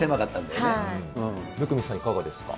生見さん、いかがですか。